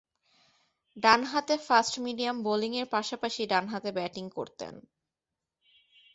ডানহাতে ফাস্ট-মিডিয়াম বোলিংয়ের পাশাপাশি ডানহাতে ব্যাটিং করতেন।